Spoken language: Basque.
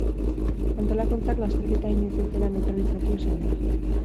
Antolakuntzak lasterketa inoiz ez dela neutralizatu esan du.